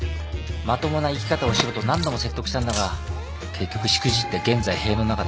まともな生き方をしろと何度も説得したんだが結局しくじって現在塀の中だ。